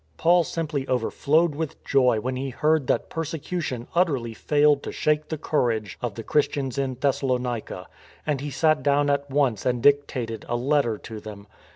Paul simply overflowed with joy when he heard that persecution utterly failed to shake the courage of the Christians in Thessalonica, and he sat down at once and dictated a letter to them.